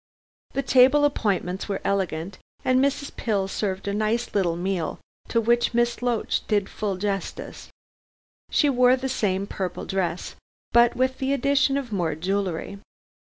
The table appointments were elegant, and Mrs. Pill served a nice little meal to which Miss Loach did full justice. She wore the same purple dress, but with the addition of more jewellery.